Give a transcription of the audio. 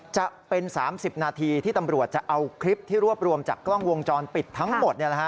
จะเป็น๓๐นาทีที่ตำรวจจะเอาคลิปที่รวบรวมจากกล้องวงจรปิดทั้งหมด